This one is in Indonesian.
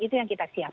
itu yang kita siapkan